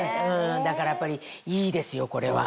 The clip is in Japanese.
だからやっぱりいいですよこれは。